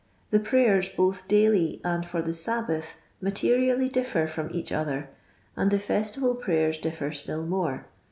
The prayers both daily and for the Sabbath materially differ from each other, and the festival prayers difler still more.